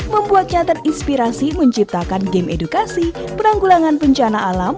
membuatnya terinspirasi menciptakan game edukasi penanggulangan bencana alam